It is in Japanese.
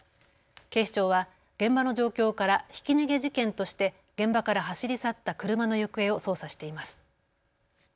警視庁は現場の状況からひき逃げ事件として現場から走り去った車の行方を捜査しています。